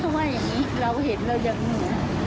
อ้าวเฮ้ยเราเห็นแล้วยัง